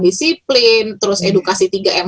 disiplin terus edukasi tiga m